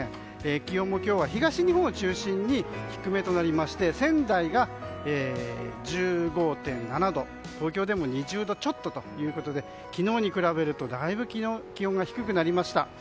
気温も今日は東日本を中心に低めとなりまして仙台が１５．７度東京でも２０度ちょっとということで昨日と比べるとだいぶ気温が低くなりました。